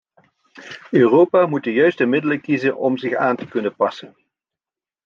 Europa moet de juiste middelen kiezen om zich aan te kunnen passen.